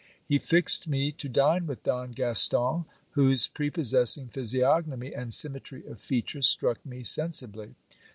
He fixed me to dine with Don Gaston, whose prepossessing physiognomy md symmetry of feature struck me sensibly.